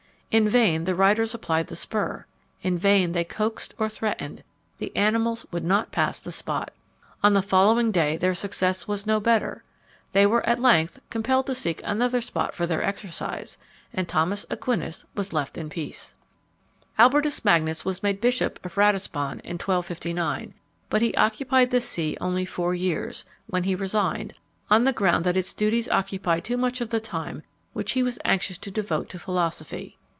In vain the riders applied the spur in vain they coaxed or threatened, the animals would not pass the spot. On the following day their success was no better. They were at length compelled to seek another spot for their exercise, and Thomas Aquinas was left in peace. Naudé, Apologie des Grands Hommes accusés de Magie, chap. xvii. Albertus Magnus was made Bishop of Ratisbon in 1259; but he occupied the see only four years, when he resigned, on the ground that its duties occupied too much of the time which he was anxious to devote to philosophy.